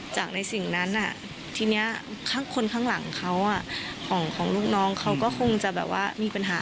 ในสิ่งนั้นทีนี้ข้างคนข้างหลังเขาของลูกน้องเขาก็คงจะแบบว่ามีปัญหา